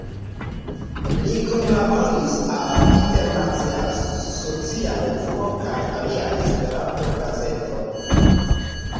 Li kunlaboris al "Internacia Socia Revuo" kaj aliaj Esperanto-gazetoj.